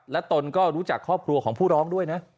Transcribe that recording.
และตนก็รู้จักครอบครัวของผู้ร้องด้วยนะ